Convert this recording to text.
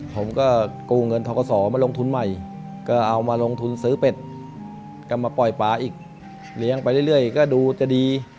ผมก็กู้เงินทกศมาลงทุนใหม่ก็เอามาลงทุนซื้อเป็ดกลับมาปล่อยปลาอีกเลี้ยงไปเรื่อยก็ดูจะดี